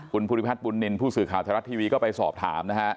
คุณพุทธิพัทธ์ปุนนินผู้สื่อข่าวธนรัฐทีวีก็ไปสอบถาม